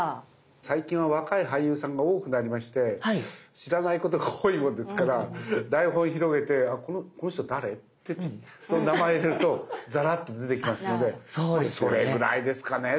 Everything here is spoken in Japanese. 最近は若い俳優さんが多くなりまして知らないことが多いもんですから台本を広げてこの人誰？って名前を入れるとザラっと出てきますのでそれぐらいですかね